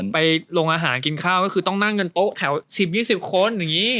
ไปลงอาหารกินข้าวก็คือต้องนั่งกันโต๊ะแถว๑๐๒๐คนอย่างนี้